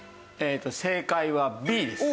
正解はＢです。